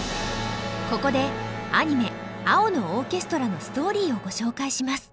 ここでアニメ「青のオーケストラ」のストーリーをご紹介します。